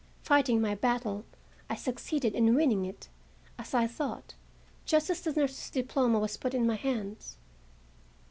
Fighting my battle, I succeeded in winning it, as I thought, just as the nurse's diploma was put in my hands.